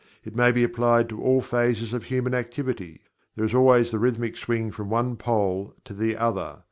It may be applied to all phases of human activity. There is always the Rhythmic swing from one pole to the other.